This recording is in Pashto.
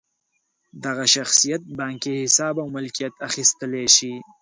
دغه شخصیت بانکي حساب او ملکیت اخیستلی شي.